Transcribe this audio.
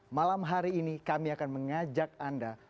malam hari ini kami akan mengajak anda